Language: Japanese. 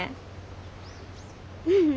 うん。